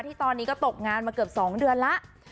ที่ตอนนี้ก็ตกงานมาเกือบ๒เดือนแล้ว